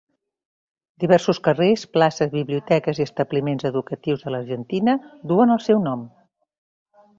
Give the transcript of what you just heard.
Diversos carrers, places, biblioteques i establiments educatius de l'Argentina duen el seu nom.